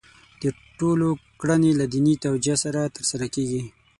د ټولو کړنې له دیني توجیه سره ترسره کېږي.